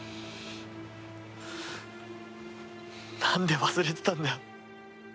なんで忘れてたんだよ